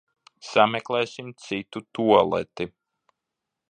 Sameklēsim citu tualeti.